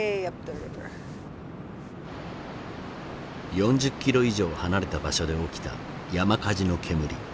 ４０キロ以上離れた場所で起きた山火事の煙。